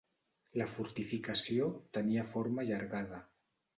La fortificació tenia forma allargada.